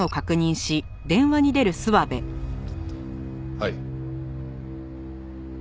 はい。